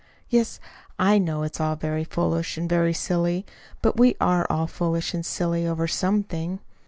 Yes, I know it's all very foolish and very silly; but we are all foolish and silly over something.